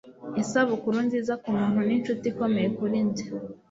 isabukuru nziza kumuntu ninshuti ikomeye kuri njye